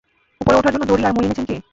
উপরে ওঠার জন্য দড়ি আর মই এনেছেন কী?